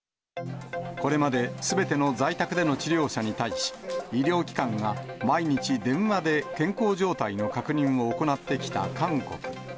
これまですべての在宅での治療者に対し、医療機関が毎日電話で健康状態の確認を行ってきた韓国。